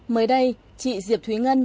mới đây chị diệp thúy ngân